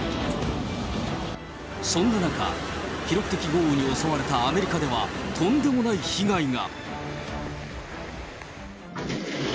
そんな中、記録的豪雨に襲われたアメリカでは、とんでもない被害が。